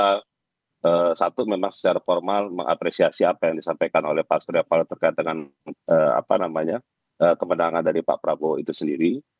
karena satu memang secara formal mengapresiasi apa yang disampaikan oleh pak surya paloh terkait dengan kemenangan dari pak prabowo itu sendiri